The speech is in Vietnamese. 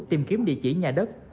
tìm kiếm địa chỉ nhà đất